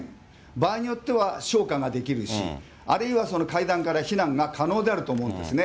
場合によっては消火ができるし、あるいは階段から避難が可能であると思うんですね。